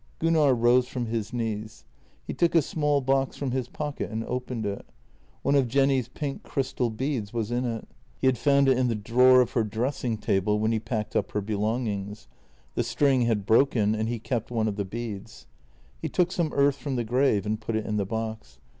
Gunnar rose from his knees. He took a small box from his pocket and opened it. One of Jenny's pink crystal beads was in it. He had found it in the drawer of her dressing table when he packed up her belongings; the string had broken and he kept one of the beads. He took some earth from the grave and put it in the box.